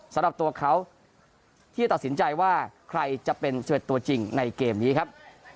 สำหรับตัวเขาที่ตัดสินใจว่าใครจะเป็น๑๑ตัวจริงในเกมนี้ครับ